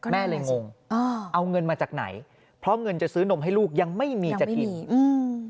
แม่เลยงงอ่าเอาเงินมาจากไหนเพราะเงินจะซื้อนมให้ลูกยังไม่มีจะกินอืม